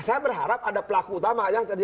saya berharap ada pelaku utama